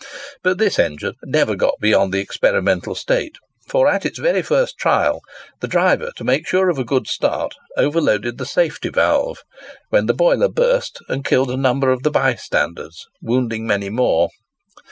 But this engine never got beyond the experimental state, for, at its very first trial, the driver, to make sure of a good start, overloaded the safety valve, when the boiler burst and killed a number of the bystanders, wounding many more.